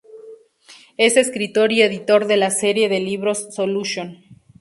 Es escritor y editor de la serie de libros "Solution".